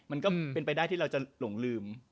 มันก็เป็นไปได้ที่เราจะหลงลืม